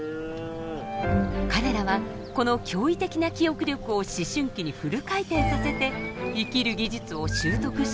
彼らはこの驚異的な記憶力を思春期にフル回転させて生きる技術を習得していくのです。